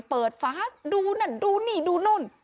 เปิดฟ้าดูนั่นดูนี่ดูนู่น